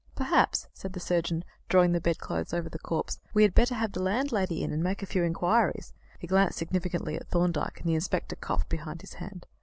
"Perhaps," said the surgeon, drawing the bedclothes over the corpse, "we had better have the landlady in and make a few inquiries." He glanced significantly at Thorndyke, and the inspector coughed behind his hand.